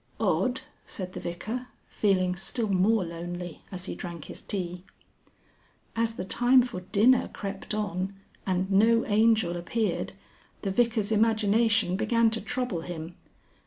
"Odd," said the Vicar, feeling still more lonely as he drank his tea. As the time for dinner crept on and no Angel appeared the Vicar's imagination began to trouble him.